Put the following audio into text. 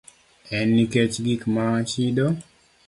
En nikech gik ma chido.